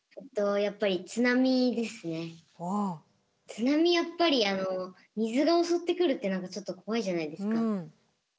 津波やっぱり水が襲ってくるって何かちょっとこわいじゃないですか。